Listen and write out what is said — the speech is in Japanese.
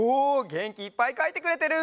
げんきいっぱいかいてくれてる！